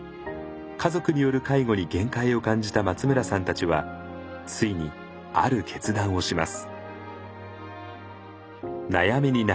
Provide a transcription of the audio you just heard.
家族による介護に限界を感じた松村さんたちはついにある決断をします。